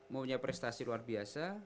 mau punya prestasi luar biasa